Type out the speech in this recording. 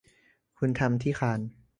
คุณทำที่คานส์